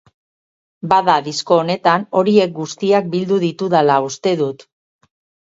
Bada, disko honetan, horiek guztiak bildu ditudala uste dut.